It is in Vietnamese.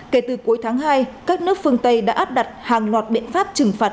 kể từ cuối tháng hai các nước phương tây đã áp đặt hàng loạt biện pháp trừng phạt